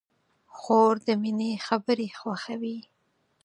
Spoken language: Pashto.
خور د مینې خبرې خوښوي.